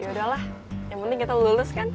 yaudah lah yang penting kita lulus kan